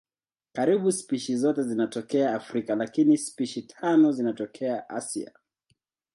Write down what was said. Karibu spishi zote zinatokea Afrika lakini spishi tano zinatokea Asia.